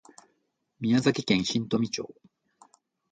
宮崎県新富町